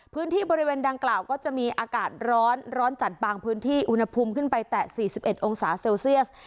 พื้นที่บริเวณดังกล่าวก็จะมีอากาศร้อนร้อนจัดบางพื้นที่อุณหภูมิขึ้นไปแต่๔๑องศาเซลเซียส